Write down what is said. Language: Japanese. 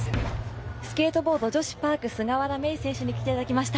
スケートボード女子パーク、菅原芽衣選手に来ていただきました。